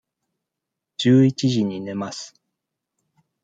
十一時に寝ます。